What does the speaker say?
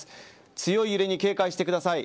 強い揺れに警戒してください。